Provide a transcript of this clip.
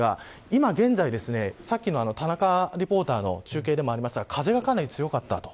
今現在、さっきの田中リポーターの中継でもありましたが風がかなり強かった。